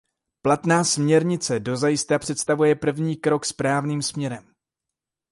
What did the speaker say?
Platná směrnice dozajista představuje první krok správným směrem.